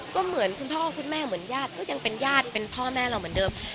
ก็เหมือนคุณพ่อคุณแม่เหมือนญาติก็ยังเป็นญาติเป็นพ่อแม่เราเหมือนเดิม